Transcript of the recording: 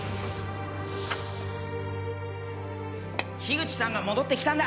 口さんが戻って来たんだ